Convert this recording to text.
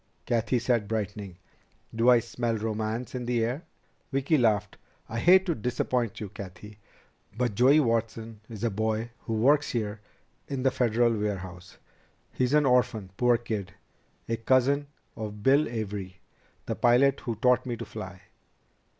Cathy said, brightening. "Do I smell romance in the air?" Vicki laughed. "I hate to disappoint you, Cathy. But Joey Watson is a boy who works here in the Federal warehouse. He's an orphan, poor kid, a cousin of Bill Avery, the pilot who taught me to fly."